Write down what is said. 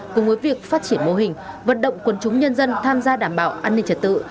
cùng với việc phát triển mô hình vận động quân chúng nhân dân tham gia đảm bảo an ninh trật tự